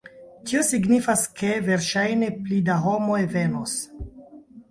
Tio signifas, ke verŝajne pli da homoj venos